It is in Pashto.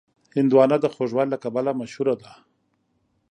هندوانه د خوږوالي له کبله مشهوره ده.